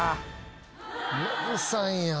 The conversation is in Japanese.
ノブさんや。